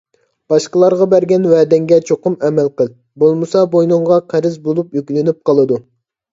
باشقىلارغا بەرگەن ۋەدەڭگە چوقۇم ئەمەل قىل. بولمىسا بوينۇڭغا قەرز بولۇپ يۈكلىنىپ قالىدۇ.